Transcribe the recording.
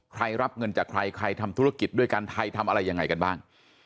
รับเงินจากใครใครทำธุรกิจด้วยกันไทยทำอะไรยังไงกันบ้าง